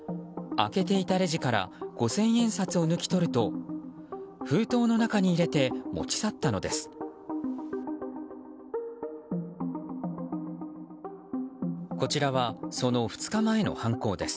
開けていたレジから五千円札を抜き取ると封筒の中に入れて持ち去ったのです。